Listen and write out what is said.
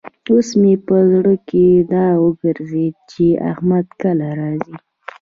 اوس مې په زړه کې را وګرزېد چې احمد کله راځي.